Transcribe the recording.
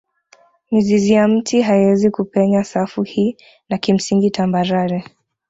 Mizizi ya mti haiwezi kupenya safu hii na kimsingi tambarare